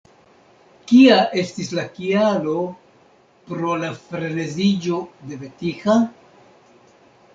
Kia estis la kialo pro la freneziĝo de Vetiha?